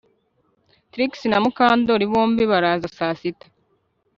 Trix na Mukandoli bombi baraza saa sita